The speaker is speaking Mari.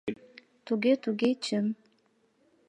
— Тугу-туге, чын.